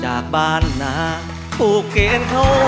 เฮ้ย